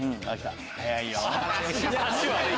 早いよ。